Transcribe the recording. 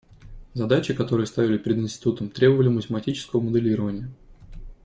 Задачи, которые ставили перед институтом, требовали математического моделирования.